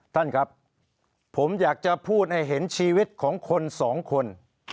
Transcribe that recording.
ท่านครับผมอยากจะพูดให้เห็นชีวิตของคนสองคน